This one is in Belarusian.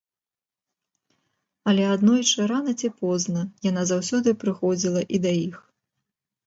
Але аднойчы, рана ці позна, яна заўсёды прыходзіла і да іх.